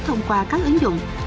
thông qua các ứng dụng